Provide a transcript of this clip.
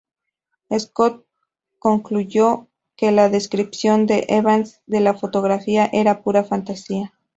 Scott concluyó que la descripción de Evans de la fotografía era "pura fantasía".